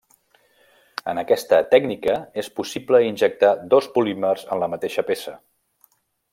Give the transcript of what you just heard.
En aquesta tècnica és possible injectar dos polímers en la mateixa peça.